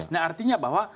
nah artinya bahwa